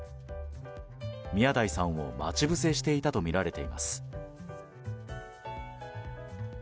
宮台さんを待ち伏せしていたとみられています。